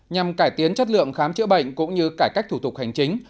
nhằm cải tiến chất lượng khám chữa bệnh cũng như cải cách thủ tục hành chính